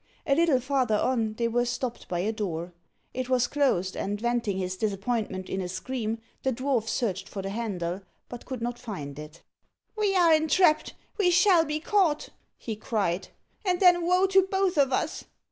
A little farther on, they were stopped by a door. It was closed; and venting his disappointment in a scream, the dwarf searched for the handle, but could not find it. "We are entrapped we shall be caught," he cried, "and then woe to both of us.